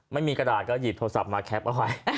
ไม่มีกระดาษก็หยิบโทรศัพท์มาแคปเอาไว้